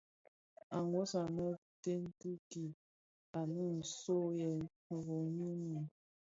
Àa nwos anè kite kì kpii, inè zòò yëë rôôghi mii.